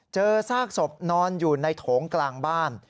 เจอซากศพนอนอยู่ในโถงกลางบ้าน